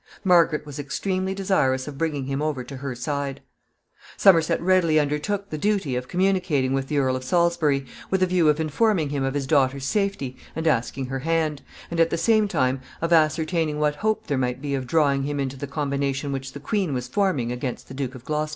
Margaret was extremely desirous of bringing him over to her side. [Sidenote: Progress of the intrigue.] Somerset readily undertook the duty of communicating with the Earl of Salisbury, with a view of informing him of his daughter's safety and asking her hand, and at the same time of ascertaining what hope there might be of drawing him into the combination which the queen was forming against the Duke of Gloucester.